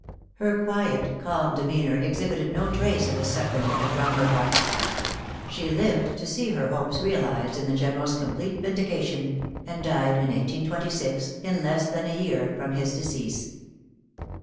Her quiet, calm demeanor exhibited no trace of the suffering that had wrung her heart. She lived to see her hopes, realized in the General's complete vindication; and died in 1826, in less than a year from his decease.